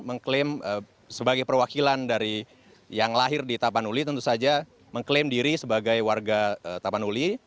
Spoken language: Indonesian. mengklaim sebagai perwakilan dari yang lahir di tapanuli tentu saja mengklaim diri sebagai warga tapanuli